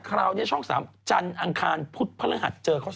ก็มีอนาคานะ